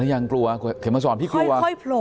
ค่อยโผล่ขึ้นมาก่อน